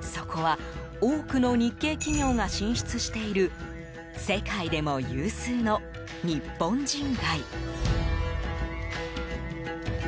そこは多くの日系企業が進出している世界でも有数の日本人街。